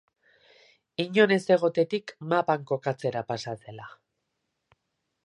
Inon ez egotetik mapan kokatzera pasa zela.